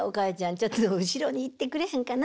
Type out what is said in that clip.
ちょっと後ろに行ってくれへんかな」